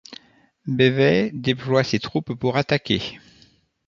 Beves déploie ses troupes pour attaquer.